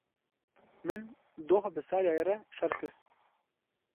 Min doh bi Saryayê re şer kir.